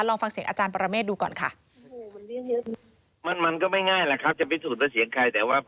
ลองฟังเสียงอาจารย์ปรเมฆดูก่อนค่ะ